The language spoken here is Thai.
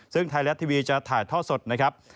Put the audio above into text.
ซึ่งไทยรัฐทีวีจะถ่ายท่อสดนะครับ